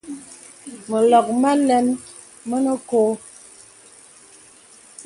Mə lɔk məlɛn mənə àkɔ̄ɔ̄.